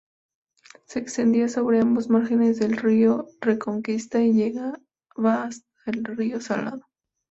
Se extendía sobre ambos márgenes del río Reconquista y llegaba hasta el río Salado.